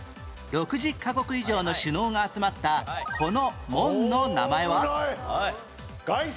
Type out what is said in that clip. ６０カ国以上の首脳が集まったこの門の名前は？